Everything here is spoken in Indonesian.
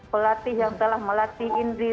pelatih yang telah melatih indri